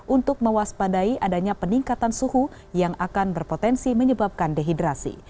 untuk mewaspadai adanya peningkatan suhu yang akan berpotensi menyebabkan dehidrasi